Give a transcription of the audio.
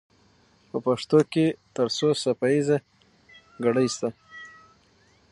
په پښتو کې تر څو څپه ایزه ګړې سته؟